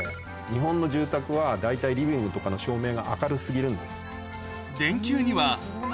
日本の住宅は大体リビングとかの照明が明る過ぎるんです。